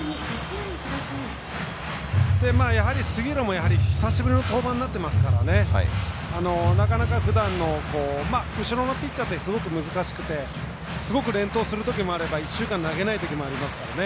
やはり杉浦も久しぶりの登板になっていますからねなかなかふだんの後ろのピッチャーってすごく難しくてすごく連投するときもあれば１週間投げないときがありますからね。